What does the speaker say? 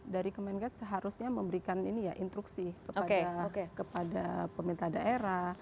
dari kemenkes seharusnya memberikan instruksi kepada pemerintah daerah